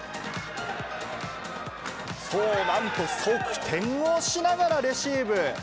そう、なんと側転をしながらレシーブ。